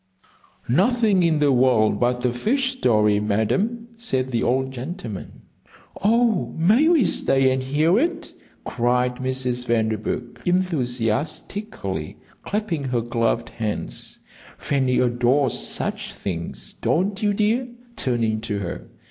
"Nothing in the world but a fish story, Madam," said the old gentleman. "Oh, may we stay and hear it?" cried Mrs. Vanderburgh, enthusiastically, clasping her gloved hands. "Fanny adores such things, don't you, dear?" turning to her.